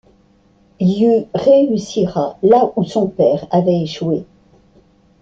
Yu réussira là où son père avait échoué.